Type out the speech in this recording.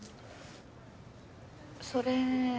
それ。